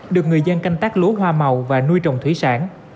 được người dân canh tác lúa hoa màu và nuôi trồng thủy sản